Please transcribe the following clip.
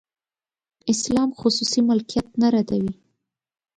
اسلام خصوصي ملکیت نه ردوي.